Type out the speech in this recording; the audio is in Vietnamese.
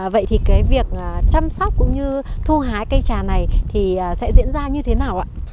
vậy thì cái việc chăm sóc cũng như thu hái cây trà này thì sẽ diễn ra như thế nào ạ